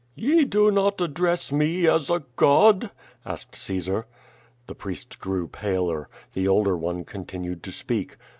'' "Ye do not address me as a god?" asked Caesar. The priests gre^v paler. The older one continued to speak.